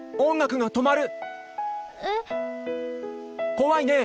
怖いねえ！